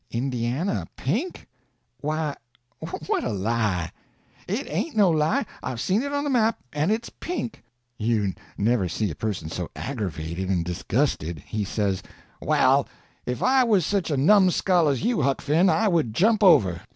"Indiana pink? Why, what a lie!" "It ain't no lie; I've seen it on the map, and it's pink." You never see a person so aggravated and disgusted. He says: "Well, if I was such a numbskull as you, Huck Finn, I would jump over.